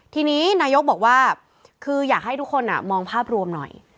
ทีนี้นายกบอกว่าคืออยากให้ทุกคนมองภาพรวมหน่อย